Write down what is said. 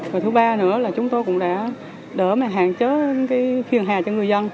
và thứ ba nữa là chúng tôi cũng đã đỡ mà hạn chế phiền hà cho người dân